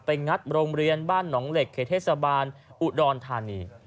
งัดโรงเรียนบ้านหนองเหล็กเขตเทศบาลอุดรธานี